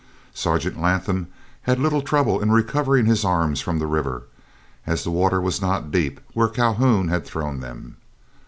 Sergeant Latham had little trouble in recovering his arms from the river, as the water was not deep where Calhoun had thrown them.